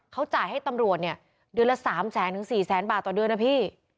เขาจ่ายให้ตำรวจเนี่ยเดือนละ๓แสนถึง๔แสนบาทต่อเดือนนะพี่